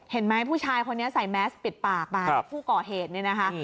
เห็นไหมผู้ชายคนนี้ใส่แมสปิดปากมาผู้ก่อเหตุเนี่ยนะคะ